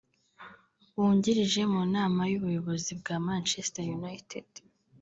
wungirije mu nama y’ubuyobozi bwa Manchester United